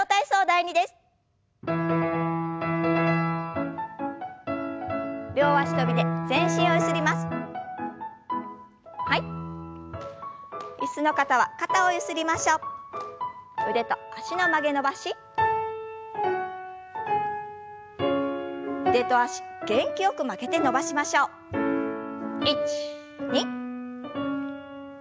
１２。